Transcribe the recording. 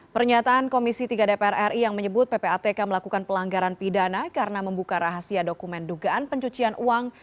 pernyataan komisi tiga dpr ri yang menyebut ppatk melakukan pelanggaran pidana karena membuka rahasia dokumen dugaan pencucian uang